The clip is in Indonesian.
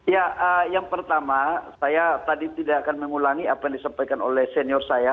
ya yang pertama saya tadi tidak akan mengulangi apa yang disampaikan oleh senior saya